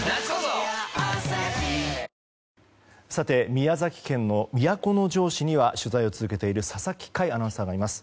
宮崎県の都城市には取材を続けている佐々木快アナウンサーがいます。